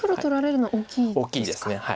大きいです。